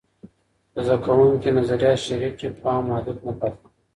که زده کوونکي نظریات شریک کړي، فهم محدود نه پاته کيږي.